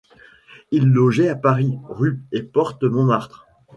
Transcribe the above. Il logeait à Paris, rue et porte Montmartre.